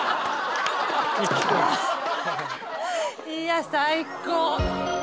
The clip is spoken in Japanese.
いや最高！